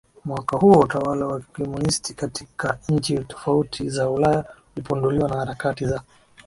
mwaka huo utawala wa Kikomunisti katika nchi tofauti za Ulaya ulipinduliwa na harakati za